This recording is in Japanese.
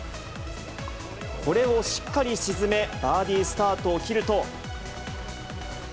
これをしっかり沈め、バーディースタートを切ると。